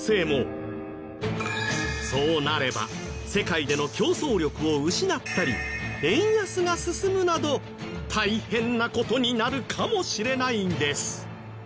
そうなれば世界での競争力を失ったり円安が進むなど大変な事になるかもしれないんです。